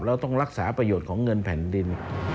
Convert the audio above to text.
เราต้องรักษาประโยชน์ของเงินแผ่นดิน